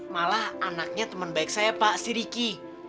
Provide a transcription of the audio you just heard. malah anaknya teman baik saya pak si ricky